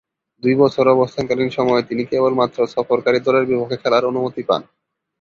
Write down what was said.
দুই বছর অবস্থানকালীন সময়ে তিনি কেবলমাত্র সফরকারী দলের বিপক্ষে খেলার অনুমতি পান।